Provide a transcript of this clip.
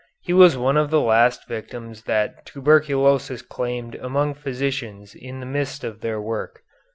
He was one of the victims that tuberculosis claimed among physicians in the midst of their work.